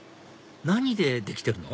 何でできてるの？